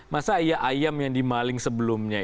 dan ayam yang dimaling sebelumnya